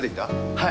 はい。